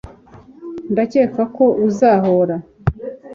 ndakeka ko uzahora